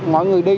mọi người đi